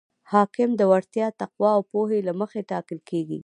حاکم د وړتیا، تقوا او پوهې له مخې ټاکل کیږي.